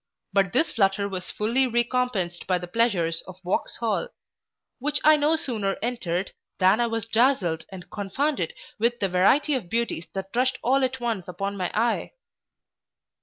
But this flutter was fully recompensed by the pleasures of Vauxhall; which I no sooner entered, than I was dazzled and confounded with the variety of beauties that rushed all at once upon my eye.